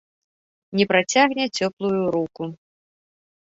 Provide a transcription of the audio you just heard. Не працягне цёплую руку.